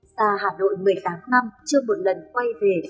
xa hà nội một mươi tám năm chưa một lần quay về